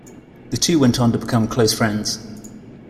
The two went on to become close friends.